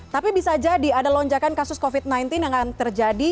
tapi bisa jadi ada lonjakan kasus covid sembilan belas yang akan terjadi